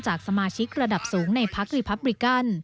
จากสมาชิกระดับสูงในภักดิ์รีปับบริกัน